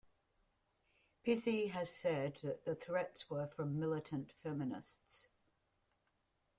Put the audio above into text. Pizzey has said that the threats were from militant feminists.